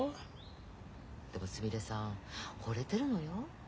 でもすみれさんほれてるのよ？